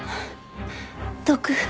毒